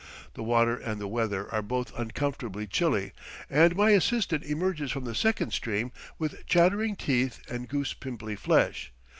The water and the weather are both uncomfortably chilly, and my assistant emerges from the second stream with chattering teeth and goose pimply flesh.